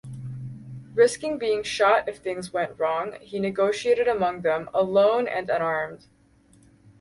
Risking being shot if things went wrong, he negotiated among them, alone and unarmed.